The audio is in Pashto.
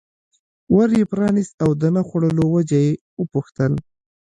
ور یې پرانست او د نه خوړلو وجه یې وپوښتل.